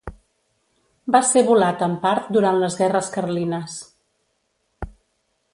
Va ser volat en part durant les guerres carlines.